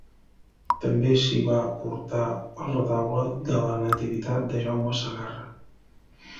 També s'hi va portar el retaule de la Nativitat de Jaume Segarra.